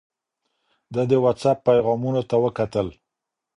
ده د وټس اپ پیغامونو ته وکتل.